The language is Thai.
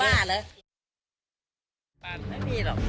บ้าแล้ว